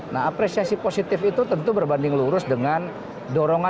nah apresiasi positif itu tentu berbanding lurus dengan dorongan